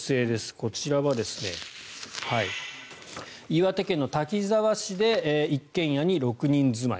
こちらは岩手県の滝沢市で一軒家に６人住まい。